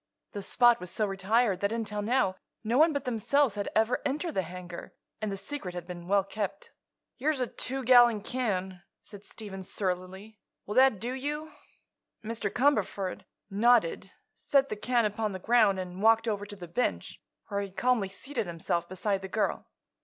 The spot was so retired that until now no one but themselves had ever entered the hangar, and the secret had been well kept. "Here's a two gallon can," said Stephen, surlily. "Will that do you?" Mr. Cumberford nodded, set the can upon the ground and walked over to the bench, where he calmly seated himself beside the girl.